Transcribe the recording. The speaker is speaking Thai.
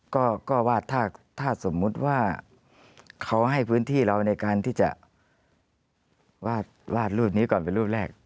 ก็ว่าถ้าสมมุติว่าเขาให้พื้นที่เราในการที่จะวาดรูปนี้ก่อนเป็นรูดแรก